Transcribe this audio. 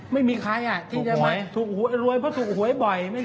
ไม่มีใครที่จะมาถูกหวยรวยเพราะถูกหวยบ่อย